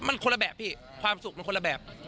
มันคนละแบบพี่ความสุขมันคนละแบบ